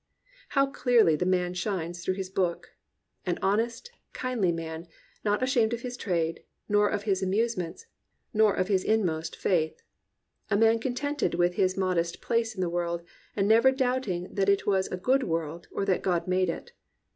How clearly the man shines through his book ! An honest, kindly man, not ashamed of his trade, nor of his amusements, nor of his inmost faith. A man contented with his modest place in the world, and never doubting that it was a good world or that God made it.